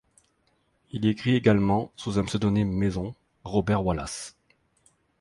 Il écrit également sous un pseudonyme maison, Robert Wallace.